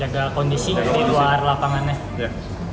ada kondisi di luar lapangannya